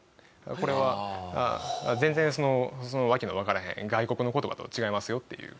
「これは全然わけのわからへん外国の言葉とは違いますよ」っていう。